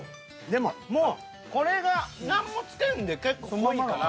でももうこれが何も付けんで結構濃いから。